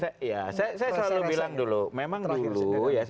saya selalu bilang dulu memang dulu ya